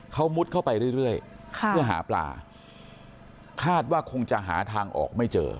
เขามุดเข้าไปเรื่อยเพื่อหาปลาคาดว่าคงจะหาทางออกไม่เจอ